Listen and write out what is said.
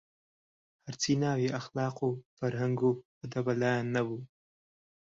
هەرچی ناوی ئەخلاق و فەرهەنگ و ئەدەبە لایان نەبوو